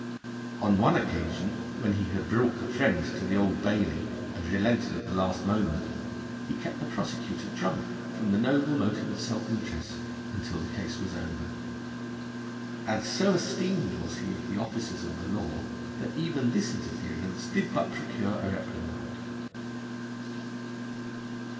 On one occasion, when he had brought a friend to the Old Bailey, and relented at the last moment, he kept the prosecutor drunk from the noble motive of self interest, until the case was over. And so esteemed was he of the officers of the law that even this interference did but procure a reprimand.